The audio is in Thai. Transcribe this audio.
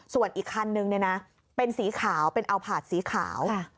ส่วนอีกคันนึงเป็นสีขาวเป็นอัลผาดสีขาว